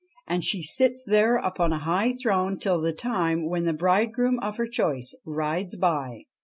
And she sits there upon a high throne till the time when the bridegroom of her choice rides by.